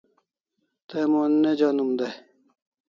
Tay mon ne jonim dai